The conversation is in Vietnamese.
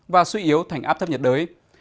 và suy yếu thành áp thấp nhiệt đới